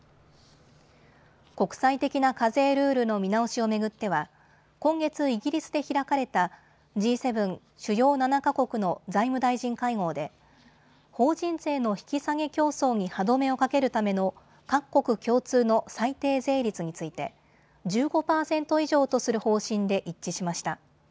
国際的な課税ルールの見直しを巡っては今月イギリスで開かれたＧ７・主要７か国の財務大臣会合で法人税の引き下げ競争に歯止めをかけるための各国共通の最低税率について１５％以上とする方針で一致しました。